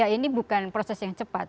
ini bukan proses yang cepat